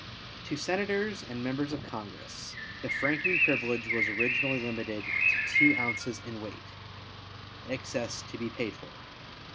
To Senators and Members of Congress, the franking privilege was originally limited to 2 ounces in weight, excess to be paid for.